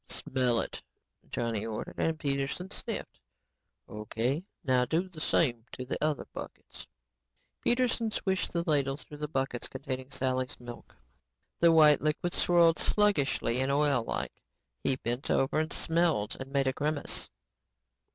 "Smell it," Johnny ordered. Peterson sniffed. "O.K., now do the same things to the other buckets." Peterson swished the ladle through the buckets containing Sally's milk. The white liquid swirled sluggishly and oillike. He bent over and smelled and made a grimace.